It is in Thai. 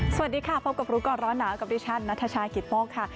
สวัสดีค่ะพบกับรู้ก่อนร้อนหนาวกับดิฉันนัทชายกิตโมกค่ะ